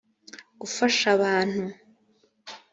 gufasha abantu